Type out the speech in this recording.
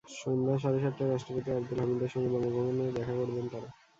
সন্ধ্যা সাড়ে সাতটায় রাষ্ট্রপতি আবদুল হামিদের সঙ্গে বঙ্গভবনে দেখা করবেন তাঁরা।